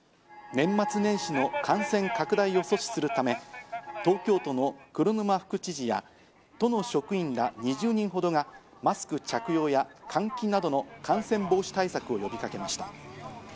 年末年始の感染拡大を阻止するため、東京都の黒沼副知事や、都の職員ら２０人ほどが、マスク着用や換気などの感染防止対策を呼びかけました。